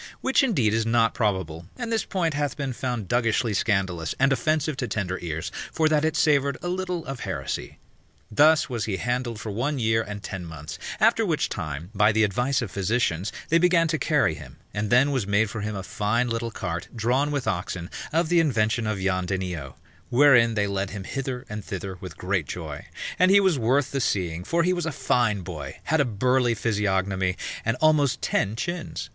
Which indeed is not probable, and this point hath been found duggishly scandalous and offensive to tender ears, for that it savoured a little of heresy. Thus was he handled for one year and ten months; after which time, by the advice of physicians, they began to carry him, and then was made for him a fine little cart drawn with oxen, of the invention of Jan Denio, wherein they led him hither and thither with great joy; and he was worth the seeing, for he was a fine boy, had a burly physiognomy, and almost ten chins.